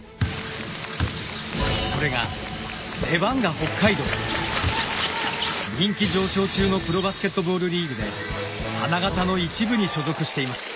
それが人気上昇中のプロバスケットボールリーグで花形の１部に所属しています。